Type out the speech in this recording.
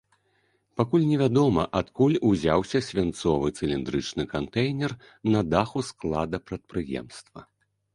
Пакуль невядома, адкуль узяўся свінцовы цыліндрычны кантэйнер на даху склада прадпрыемства.